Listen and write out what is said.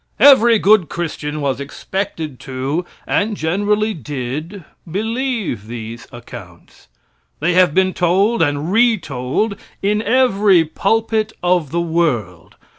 Every good Christian was expected to, and generally did, believe these accounts. They have been told and retold in every pulpit of the world.